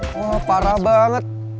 wah parah banget